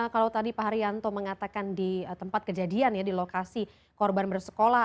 kalau tadi pak haryanto mengatakan di tempat kejadian ya di lokasi korban bersekolah